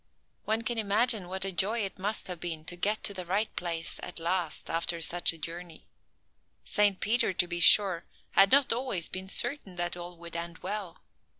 One can imagine what a joy it must have been to get to the right place at last after such a journey. Saint Peter, to be sure, had not always been certain that all would end well.